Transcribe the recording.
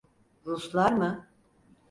Ruslar mı?